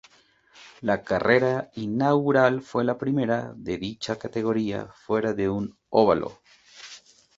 La carrera inaugural fue la primera de dicha categoría fuera de un óvalo.